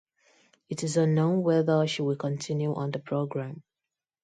It is unknown whether she will continue on the programme.